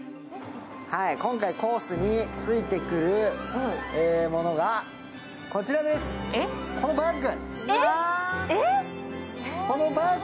今回、コースについてくるものがこのバッグ。